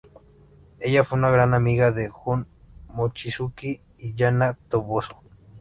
Ella fue una gran amiga de Jun Mochizuki y Yana Toboso.